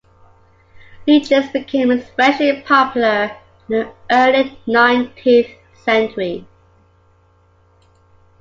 Leeches became especially popular in the early nineteenth century.